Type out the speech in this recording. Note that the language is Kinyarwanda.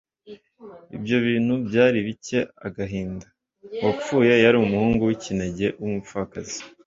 Ibyo bintu byari bitcye agahinda. Uwapfuye yari umuhungu w'ikinege w'umupfakazi.